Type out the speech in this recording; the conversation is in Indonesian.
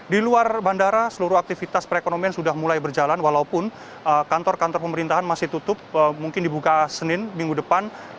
di luar bandara seluruh aktivitas perekonomian sudah mulai berjalan walaupun kantor kantor pemerintahan masih tutup mungkin dibuka senin minggu depan